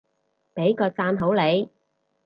畀個讚好你